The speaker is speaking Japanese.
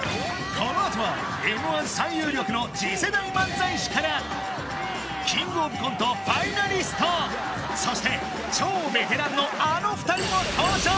このあとはＭ−１最有力の次世代漫才師からキングオブコントファイナリストそして超ベテランのあの２人も登場！